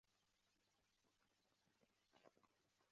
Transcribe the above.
Kwa sababu hiyo hakuna uchafuzi wa mazingira.